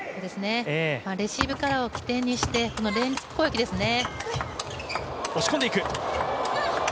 レシーブからを起点にして連続攻撃ですね。